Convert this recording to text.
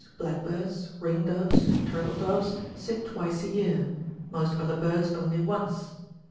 blackbirds, ring doves, and turtle doves sit twice a year, most other birds only once.